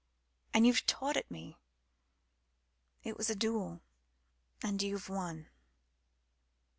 And you've taught it me. It was a duel, and you've won."